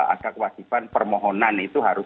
ada kewajiban permohonan itu harus